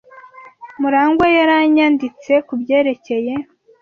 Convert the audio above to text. MuragwA yaranyanditse kubyerekeye.